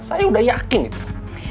saya udah yakin itu